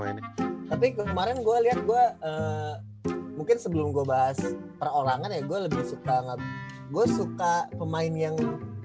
gua lihat gua mungkin sebelum gua bahas perolangan ya gue lebih suka banget gue suka pemain yang